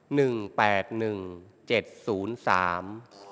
แปดหนึ่งเจ็ดศูนย์สาม